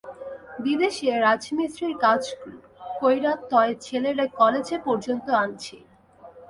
বিদেশে রাজমিস্ত্রির কাজ কইরা তয় ছেলেরে কলেজে পর্যন্ত আনছি।